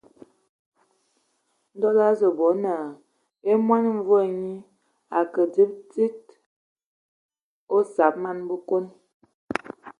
Ndɔ lə azu bɔ naa e mɔn mvua nyɔ a ke dzib tsid a osab man Bəkon.